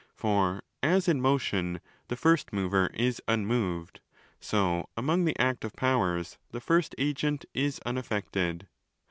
For as in motion 'the first mover' is unmoved, so among the active powers 'the first agent' is unaffected.